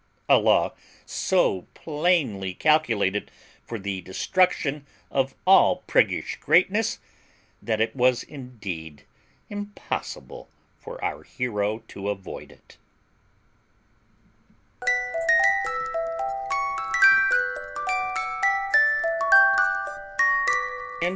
A law so plainly calculated for the destruction of all priggish greatness, that it was indeed impossible for our hero to avoid it.